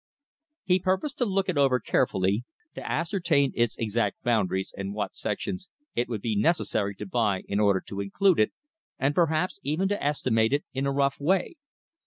He purposed to look it over carefully, to ascertain its exact boundaries and what sections it would be necessary to buy in order to include it, and perhaps even to estimate it in a rough way.